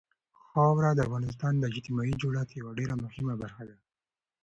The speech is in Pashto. خاوره د افغانستان د اجتماعي جوړښت یوه ډېره مهمه برخه ده.